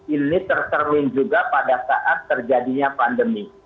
ini terserling juga pada saat terjadinya pandemi